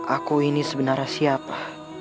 aku ini sebenarnya siapa